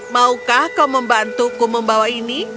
maukah kau membantuku membawa ini